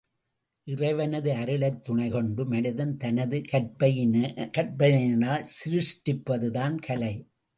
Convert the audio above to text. இறைவனது அருளைத் துணை கொண்டு மனிதன் தனது, கற்பனையினால் சிருஷ்டிப்பதுதான் கலை.